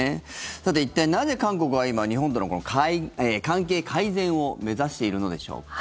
さて、一体なぜ韓国は今、日本との関係改善を目指しているのでしょうか。